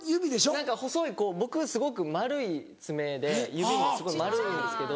何か細いこう僕すごく丸い爪で指も丸いんですけど。